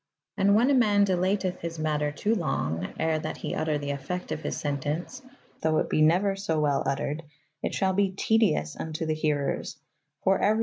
And whan a man delatith his vaaXter to long or that he vtt^^ the effecte of his sentence, though it be neuer so well vtteryd, it shalbe tedyous vnto the herers ; for euery ma??